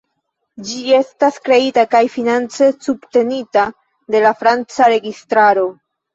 Ĝi estas kreita kaj finance subtenita de la franca registraro.